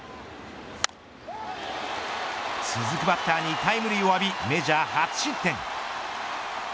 続くバッターにタイムリーを浴びメジャー初失点。